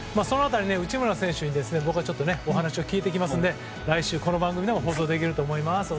僕が内村選手にお話を聞いてきますので来週、この番組でも放送できると思います。